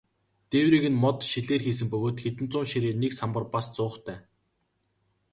Дээврийг нь мод, шилээр хийсэн бөгөөд хэдэн хуучин ширээ, нэг самбар, бас зуухтай.